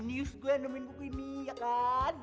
genius gue yang nomin buku ini ya kan